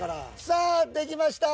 さあ出来ました！